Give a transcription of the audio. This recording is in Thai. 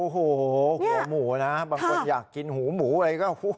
หัวหมูบางคนอยากกินหัวหมูเลย